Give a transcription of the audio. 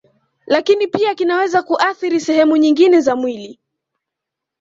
Lakini pia kinaweza kuathiri sehemu nyingine za mwili